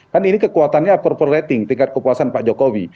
kan ini kekuatannya approval rating tingkat kepuasan pak jokowi